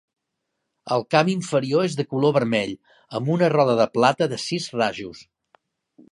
El camp inferior és de color vermell amb una roda de plata de sis rajos.